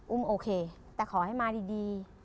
โอเคแต่ขอให้มาดี